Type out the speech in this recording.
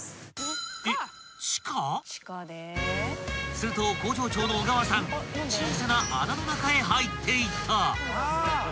［すると工場長の小川さん小さな穴の中へ入っていった］